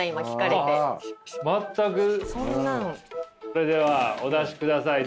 それではお出しください。